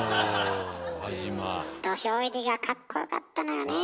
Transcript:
土俵入りがかっこよかったのよね。